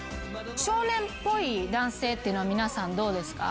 少年っぽい男性って皆さんどうですか？